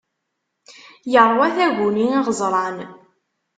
Yeṛwa taguni iɣeẓran.